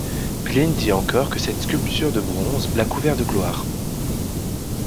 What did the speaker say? Pline dit encore que cette sculpture de bronze l'a couvert de gloire.